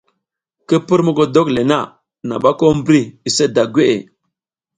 Ki pur mogodok le na, naɓa ko mbri use da gweʼe.